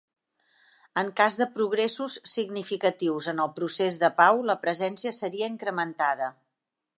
En cas de progressos significatius en el procés de pau, la presència seria incrementada.